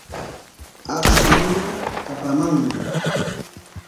Akshu muruu kapamanmi.